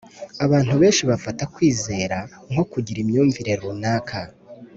abantu benshi bafata kwizera nko kugira imyumvire runaka